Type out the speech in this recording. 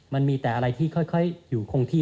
มันมีแต่อะไรที่ค่อยอยู่คงที่